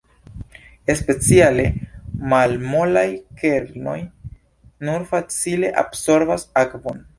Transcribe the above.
Speciale malmolaj kernoj nur malfacile absorbas akvon.